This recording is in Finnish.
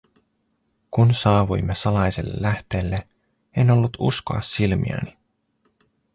Kun saavuimme salaiselle lähteelle, en ollut uskoa silmiäni.